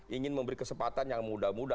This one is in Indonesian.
ingin memberi kesempatan yang muda muda